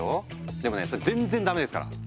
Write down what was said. でもねそれぜんっぜんダメですから！